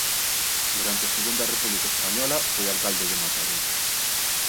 Durante a Segunda República Española foi alcalde de Mataró.